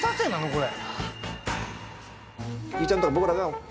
これ。